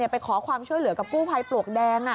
ไปขอความช่วยเหลือกับกู้ภัยปลวกแดง